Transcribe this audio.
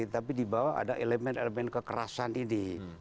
tapi di bawah ada elemen elemen kekerasan ini